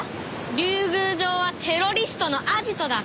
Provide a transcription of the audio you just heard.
竜宮城はテロリストのアジトだ。